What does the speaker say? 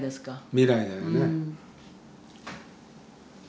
未来だよね。